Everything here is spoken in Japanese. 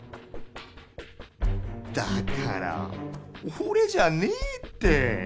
だからおれじゃねえって！